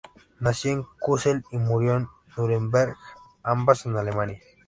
Nació en Kusel y murió en Nuremberg ambas en Alemania.